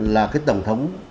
là cái tổng thống